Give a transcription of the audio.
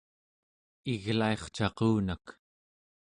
iglaircaqunak